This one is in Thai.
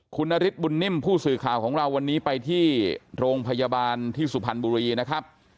คุณนฤทธบุญนิ่มผู้สื่อข่าวของเราวันนี้ไปที่โรงพยาบาลที่สุพรรณบุรีนะครับ